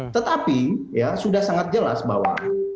tetapi ya sudah sangat jelas bahwa